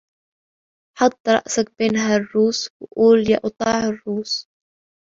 حط راسك بين هالروس و قول يا قطاع الروس